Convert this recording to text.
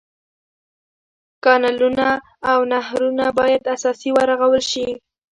کانلونه او نهرونه باید اساسي ورغول شي.